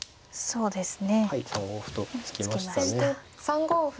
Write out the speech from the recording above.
そうですね。